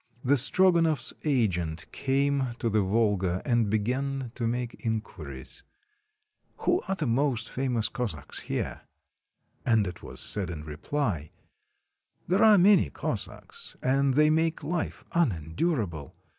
The Strogonoffs' agent came to the Volga and began to make inquiries: — "Who are the most famous Cossacks here?" And it was said in reply :— 162 THE CONQUEST OF SIBERIA "There are many Cossacks. And they make Hfe un endurable.